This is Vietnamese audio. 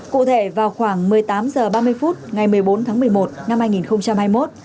cụ thể vào khoảng một mươi tám h ba mươi phút ngày một mươi bốn tháng một mươi một năm hai nghìn hai mươi một